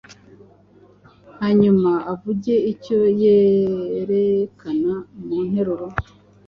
hanyuma uvuge icyo yerekana mu nteruro.